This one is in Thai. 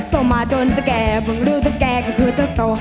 โตมาโดนจะแก่บังลือทุกแก่ก็คือโต๊ะโต